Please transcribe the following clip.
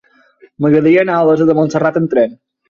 M'agradaria anar a Olesa de Montserrat amb tren.